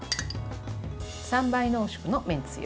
３倍濃縮のめんつゆ。